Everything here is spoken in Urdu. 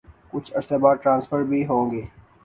کچھ عرصے بعد ٹرانسفر بھی ہو گئی۔